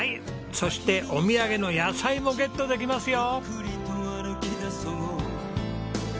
そしてお土産の野菜もゲットできますよ！